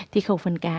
thì khẩu phấn cá